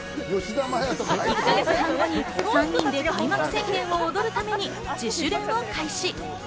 １か月半後に３人で『開幕宣言』を踊るために自主練を開始。